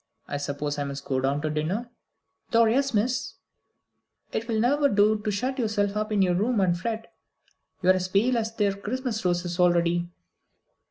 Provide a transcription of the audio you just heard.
I suppose I must go down to dinner?" "Lor' yes, miss; it will never do to shut yourself up in your own room and fret. You're as pale as them there Christmas roses already."